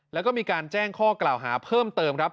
แล้วก็มีการแจ้งข้อกล่าวหาเพิ่มเติมครับ